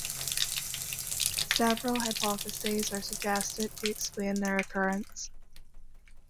Several hypotheses are suggested to explain their occurrence.